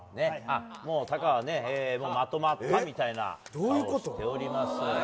もうタカはまとまったみたいな顔をしております。